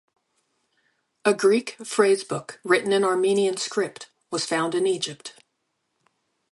A Greek phrasebook written in Armenian script was found in Egypt.